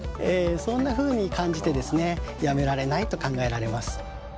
そんなふうに感じてやめられないと考えられます。